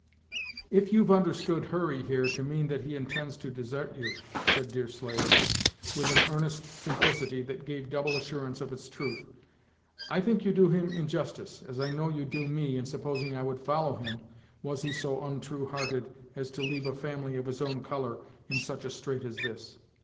"If you've understood Hurry, here, to mean that he intends to desart you," said Deerslayer, with an earnest simplicity that gave double assurance of its truth, "I think you do him injustice, as I know you do me, in supposing I would follow him, was he so ontrue hearted as to leave a family of his own color in such a strait as this.